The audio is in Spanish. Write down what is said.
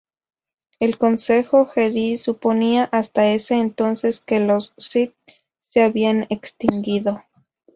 El Consejo Jedi suponía hasta ese entonces que los Sith se habían extinguido.